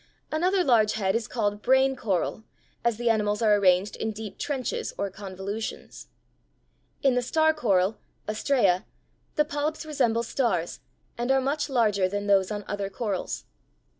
Another large head is called brain coral, as the animals are arranged in deep trenches or convolutions. In the star coral (Astræa, Fig. 37) the polyps resemble stars and are much larger than those on other corals.